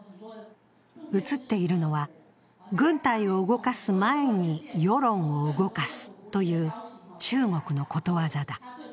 映っているのは、軍隊を動かす前に世論を動かすという中国のことわざだ。